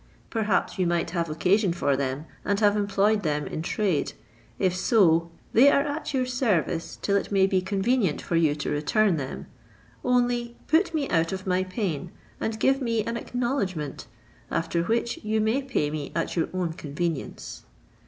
Perhaps you might have occasion for them, and have employed them in trade: if so they are at your service till it may be convenient for you to return them; only put me out of my pain, and give me an acknowledgment, after which you may pay me at your own convenience."